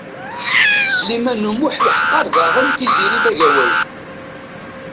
Sliman U Muḥ yeḥqer daɣen Tiziri Tagawawt.